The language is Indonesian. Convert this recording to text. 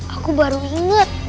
aku baru inget